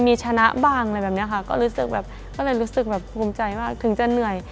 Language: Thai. มีชนะบ้างอะไรแบบนี้ค่ะก็รู้สึกแบบก็เลยรู้สึกแบบภูมิใจมากถึงจะเหนื่อย